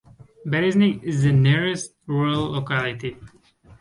Bereznik is the nearest rural locality.